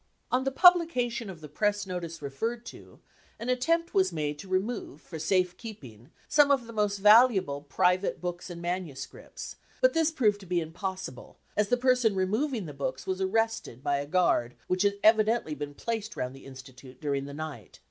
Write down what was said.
95 46 On the publication of the press notice referred to, an attempt was made to remove for safe keeping some of the" most valuable private books and manuscripts ; but this proved to be impossible, as the person removing the books was arrested by a guard which had evidently been placed round the institute during the night.